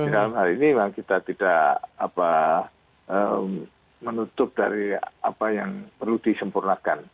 dalam hal ini memang kita tidak menutup dari apa yang perlu disempurnakan